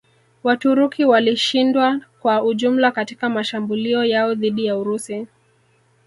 Waturuki walishindwa kwa ujumla katika mashambulio yao dhidi ya Urusi